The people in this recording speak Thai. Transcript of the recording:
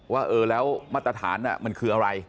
ว่าเออแล้วมาตรฐานมันคืออะไร